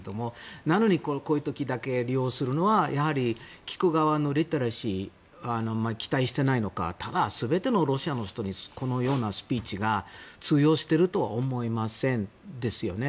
なのに、こういう時だけ利用するのはやはり聞く側のリテラシーに期待していないのかただ、全てのロシアの人にこのようなスピーチが通用しているとは思いませんよね。